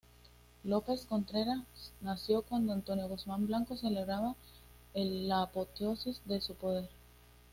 López Contreras nació cuando Antonio Guzmán Blanco celebraba la apoteosis de su poder.